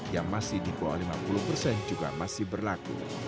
yang masih di bawah lima puluh persen juga masih berlaku